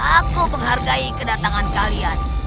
aku menghargai kedatangan kalian